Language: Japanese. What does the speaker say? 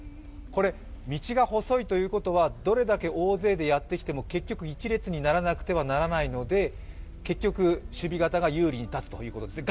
道が細いということはどれだけ大勢でやってきても、結局、１列にならなくてはならないので結局、守備方が有利に立つということですね。